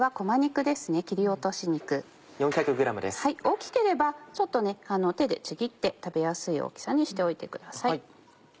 大きければ手でちぎって食べやすい大きさにしておいてください。